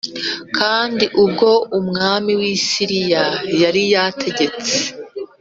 Kandi ubwo umwami w i Siriya yari yategetse